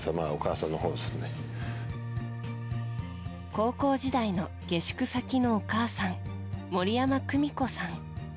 高校時代の下宿先のお母さん森山久美子さん。